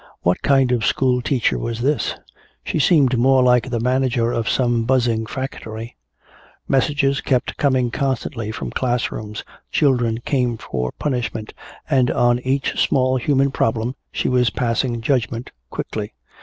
What kind of school teacher was this? She seemed more like the manager of some buzzing factory. Messages kept coming constantly from class rooms, children came for punishment, and on each small human problem she was passing judgment quickly.